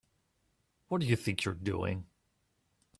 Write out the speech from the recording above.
What do you think you're doing?